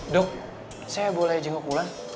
dok saya boleh jenguk ulang